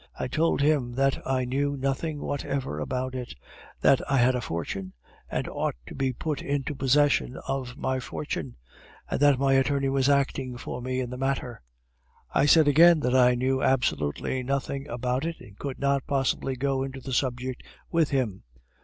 I told him that I knew nothing whatever about it, that I had a fortune, and ought to be put into possession of my fortune, and that my attorney was acting for me in the matter; I said again that I knew absolutely nothing about it, and could not possibly go into the subject with him.